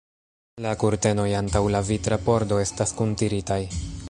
La kurtenoj antaŭ la vitra pordo estas kuntiritaj.